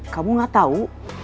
kamu gak tau